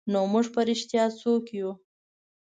نو موږ په رښتیا څوک یو؟